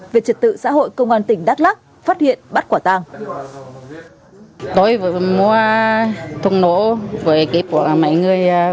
về trật tự xã hội công an tỉnh đắk lắc phát hiện bắt quả tàng